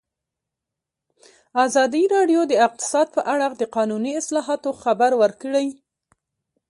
ازادي راډیو د اقتصاد په اړه د قانوني اصلاحاتو خبر ورکړی.